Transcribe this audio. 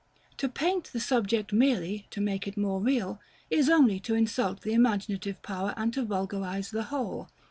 To "paint" the subject merely to make it more real, is only to insult the imaginative power and to vulgarize the whole.